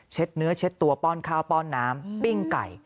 เนื้อเช็ดตัวป้อนข้าวป้อนน้ำปิ้งไก่